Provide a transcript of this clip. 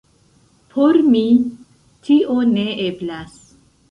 Por mi tio ne eblas.